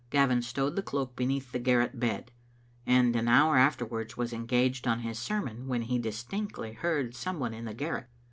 Gavin stowed the cloak beneath the garret bed, and an hour afterwards was engaged on his sermon, when he distinctly heard some one in the garret.